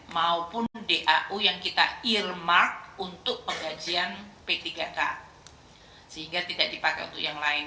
maupun dau yang kita irmark untuk penggajian p tiga k sehingga tidak dipakai untuk yang lain